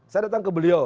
saya datang ke beliau